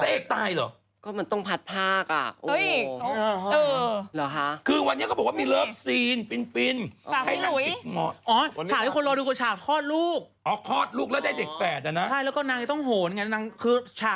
เออพระเอกตายเหรอไม่ได้วันนี้นะ